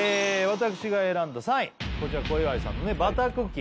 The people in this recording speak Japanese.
私が選んだ３位こちら小岩井さんのねバタークッキー